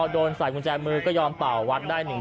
ก็เห็นว่าขับมาไม่ตรง